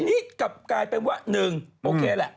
อันนี้กลับกลายเป็นว่า๑โอเคแหละ